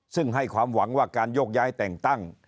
ซึ่งให้ความหวังว่าการโยกย้ายแต่งตั้ง